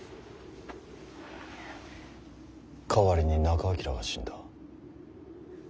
代わりに仲章が死んだ。